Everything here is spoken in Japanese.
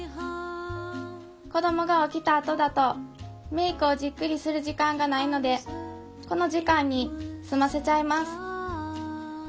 子どもが起きたあとだとメイクをじっくりする時間がないのでこの時間に済ませちゃいます。